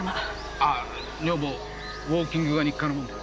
あぁ女房ウォーキングが日課なもんで。